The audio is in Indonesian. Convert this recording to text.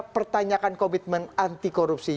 pertanyakan komitmen anti korupsi